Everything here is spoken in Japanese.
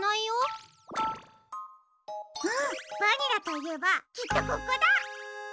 うんバニラといえばきっとここだ！